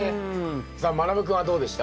さあまなぶ君はどうでした？